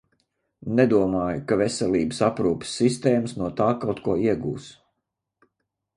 Nedomāju, ka veselības aprūpes sistēmas no tā kaut ko iegūs.